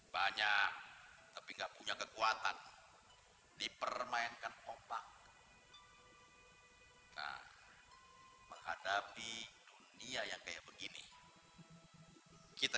banyak tapi enggak punya kekuatan dipermainkan ombak menghadapi dunia yang kayak begini kita